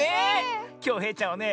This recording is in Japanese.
きょうへいちゃんはね